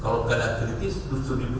dari pada saat itu ini lah pemerintahan